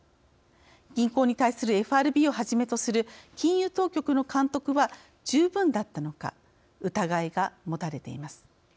銀行に対するＦＲＢをはじめとする金融当局の監督は十分だったのか疑いが持たれています。